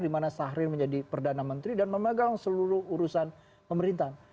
dimana sahrir menjadi perdana menteri dan memegang seluruh urusan pemerintahan